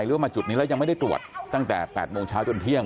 หรือว่ามาจุดนี้แล้วยังไม่ได้ตรวจตั้งแต่๘โมงเช้าจนเที่ยง